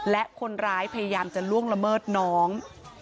และคนร้ายพยายามจะล่วงละเมิดน้อง